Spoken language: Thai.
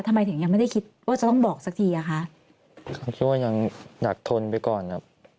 ทำไมถึงยังไม่ได้คิดว่าจะต้องบอกสักทีอ่ะคะคิดว่ายังหนักทนไปก่อนครับ